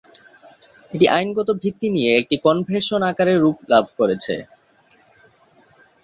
এটি আইনগত ভিত্তি নিয়ে একটি কনভেনশন আকারে রূপ লাভ করেছে।